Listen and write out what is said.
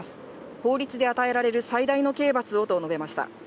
法律で与えられる最大の刑罰をと述べました。